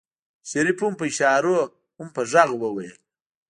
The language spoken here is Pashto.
شريف هم په اشارو هم په غږ وويل.